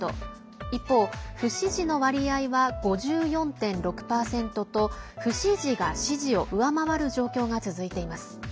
一方、不支持の割合は５４．６％と不支持が支持を上回る状況が続いています。